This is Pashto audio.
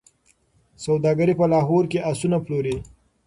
سوداګر په لاهور کي آسونه پلوري.